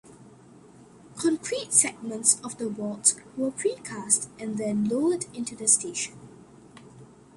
Concrete segments of the vault were pre-cast and then lowered into the station.